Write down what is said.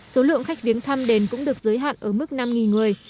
số lượng khách viếng thăm đền cũng được giới hạn ở mức năm người